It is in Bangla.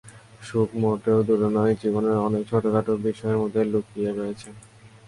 সুখ মোটেও দূরে নয়, জীবনের অনেক ছোটখাটো বিষয়ের মধ্যেই লুকিয়ে রয়েছে।